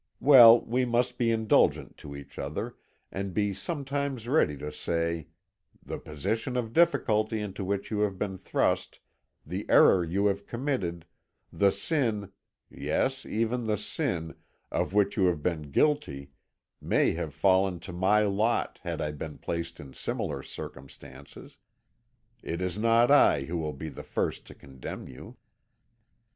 Well, we must be indulgent to each other, and be sometimes ready to say, 'The position of difficulty into which you have been thrust, the error you have committed, the sin yes, even the sin of which you have been guilty, may have fallen to my lot had I been placed in similar circumstances. It is not I who will be the first to condemn you.'"